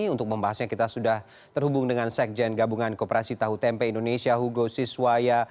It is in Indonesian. untuk membahasnya kita sudah terhubung dengan sekjen gabungan koperasi tahu tempe indonesia hugo siswaya